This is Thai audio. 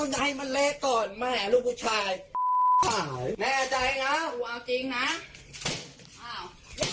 นี่แหละตัวลูกชายของบ้านนี้ครับ